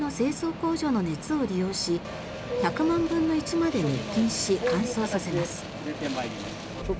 工場の熱を利用し１００万分の１まで滅菌し乾燥させます。